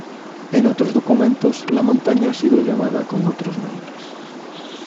En otros documentos, la montaña ha sido llamada con otros nombres.